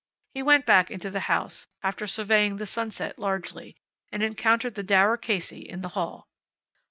He went back into the house, after surveying the sunset largely, and encountered the dour Casey in the hall.